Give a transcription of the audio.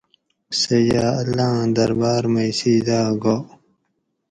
سہ یا اللّٰہ آن دربار مئ سجدہ ھہ گا